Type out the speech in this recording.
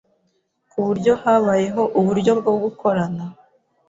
ku buryo habayeho uburyo bwo gukorana